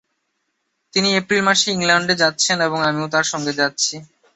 তিনি এপ্রিল মাসে ইংলণ্ডে যাচ্ছেন এবং আমিও তাঁর সঙ্গে যাচ্ছি।